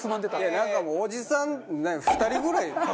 なんかもうおじさん２人ぐらい。